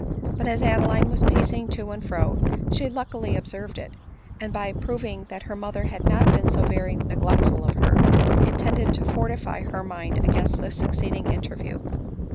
But as Adeline was pacing to and fro, she luckily observed it ; and by proving that her mother had not been so very neglectful of her, it tended to fortify her mind against the succeeding interview.